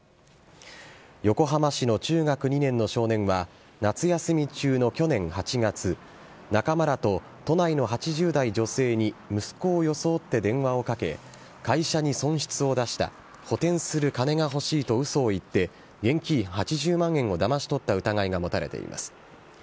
横浜市の中学２年の少年は夏休み中の去年８月、仲間らと都内の８０代女性に息子を装って電話をかけ、会社に損失を出した、補填する金が欲しいとうそを言って、現金８０万円をだまし取った疑いが持たれています。